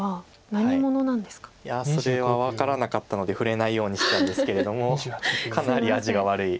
いやそれは分からなかったので触れないようにしてたんですけれどもかなり味が悪い。